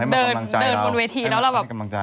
เดินเดินด้านกันเวทีเนี่ยด่อแบบ